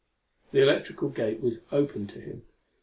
The electrical gate was open to him.